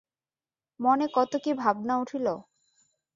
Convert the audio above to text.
মনে কত কী ভাবনা উঠিল।